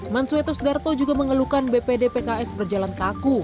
mansuetus darto juga mengeluhkan bpdpks berjalan kaku